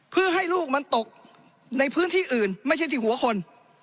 เพื่อให้ลูกมันตกในพื้นที่อื่นไม่ใช่ที่หัวคน